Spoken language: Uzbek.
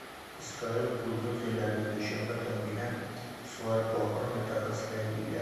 Isroil buldozerlari dushanba tongidan Suvar Bohir mintaqasidagi uylarni